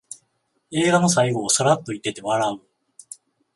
映画の最後をサラッと言ってて笑う